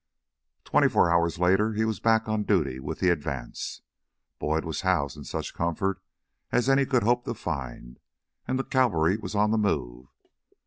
Twenty four hours later he was back on duty with the advance. Boyd was housed in such comfort as any could hope to find, and the cavalry was on the move.